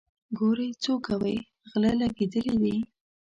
ګورئ څو کوئ غله لګېدلي دي.